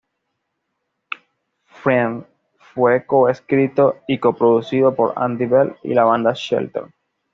Friend fue coescrito y coproducido por Andy Bell y la banda Shelter.